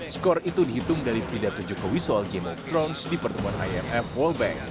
skor itu dihitung dari pidato jokowi soal game of thromes di pertemuan imf world bank